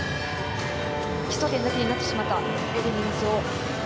基礎点だけになってしまったエレメンツを。